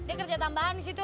dia kerja tambahan di situ